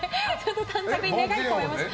短冊に願いを込めました。